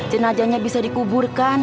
jenajahnya bisa dikuburkan